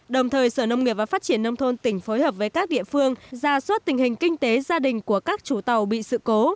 đồng thời sở nông nghiệp và phát triển nông thôn tỉnh phối hợp với các địa phương ra soát tình hình kinh tế gia đình của các chủ tàu bị sự cố